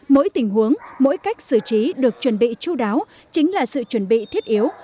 mỗi tình huống mỗi cách xử trí được chuẩn bị chú đáo chính là sự chuẩn bị thiết yếu